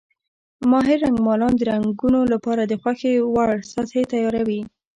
ماهر رنګمالان د رنګونو لپاره د خوښې وړ سطحې تیاروي.